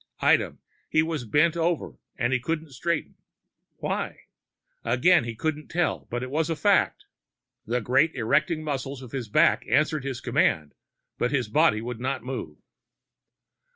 Item: he was bent over and he couldn't straighten. Why? Again he couldn't tell, but it was a fact. The great erecting muscles of his back answered his command, but his body would not move.